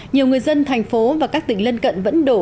nhiều người dân thành phố và các tỉnh lân cận vẫn đổ